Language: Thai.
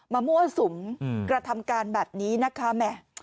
มั่วสุมกระทำการแบบนี้นะคะแหม